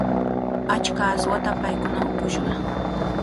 Achka aswata paykuna upushqa.